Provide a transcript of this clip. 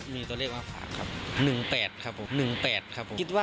มีตัวเลขมาฝากครับหนึ่งแปดครับผม